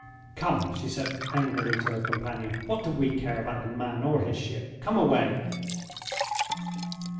"Come!" she said, angrily, to her companion. "What do we care about the man or his ship? Come away."